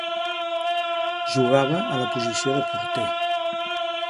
Jugava a la posició de porter.